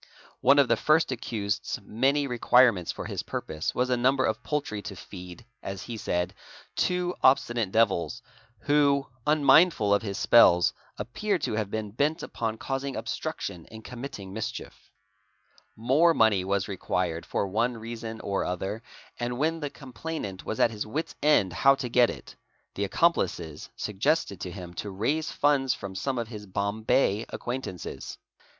One of the first accused's many requirements for his purpose was a number of poultry to feed, as he said, two obstinate devils, who, unmindful of his spells, appeared to have been bent upon causing. obstruction and committing mischief, More money was required for one reason or other, and when the com. plainant was at his wit's end how to get it, the accomplices suggested t¢ him to raise funds from some of his Bombay acquaintances.